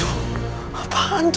tuh apaan tuh